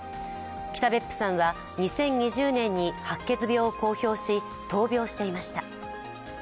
来た別府さんは２０２０年に白血病を公表し、闘病していました。